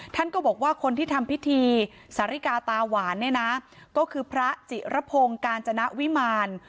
ท่านก็บอกว่าคนที่ทำพิธีสาริกาตาหวานเนี่ยนะก็คือพระจิระพงศ์กาญจนวิมาร